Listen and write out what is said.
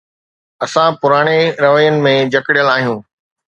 اسان پراڻي روين ۾ جڪڙيل آهيون.